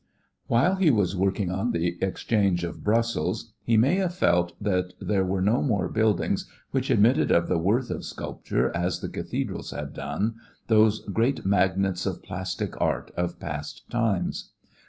While he was working on the Exchange of Brussels, he may have felt that there were no more buildings which admitted of the worth of sculpture as the cathedrals had done, those great magnets of plastic art of past times.